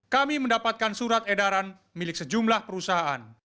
kami mendapatkan surat edaran milik sejumlah perusahaan